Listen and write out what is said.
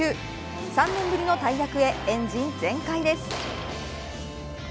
３年ぶりの大役へエンジン全開です。